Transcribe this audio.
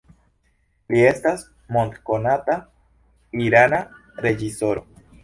Li estas mondkonata irana reĝisoro.